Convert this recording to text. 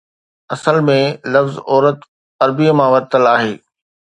اصل ۾ لفظ عورت عربيءَ مان ورتل آهي